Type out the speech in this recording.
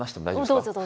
どうぞどうぞ。